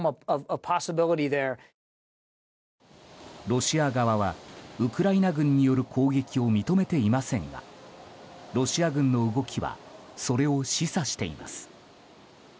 ロシア側はウクライナ軍による攻撃を認めていませんがロシア軍の動きはそれを示唆しています。